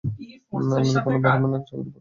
আপনাদের কোনো বারম্যানের চাকরি ফাঁকা নেই?